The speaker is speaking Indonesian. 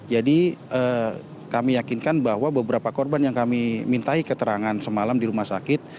jadi kami yakinkan bahwa beberapa korban yang kami mintai keterangan semalam di rumah sakit